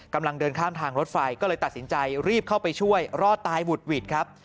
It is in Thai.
กำลังเดินข้ามทางรถไฟก็เลยตัดสินใจรีบเข้าไปช่วยรอดตายบุดหวิดครับ